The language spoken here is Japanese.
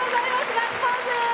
ガッツポーズ！